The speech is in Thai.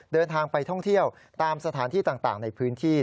เดินทางไปท่องเที่ยวตามสถานที่ต่างในพื้นที่